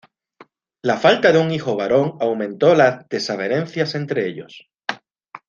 La falta de un hijo varón aumentó las desavenencias entre ellos.